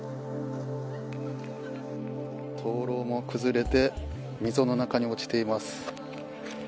灯籠も崩れて溝の中に落ちています。